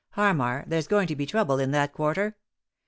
Harmar, there's going to be trouble in that quarter.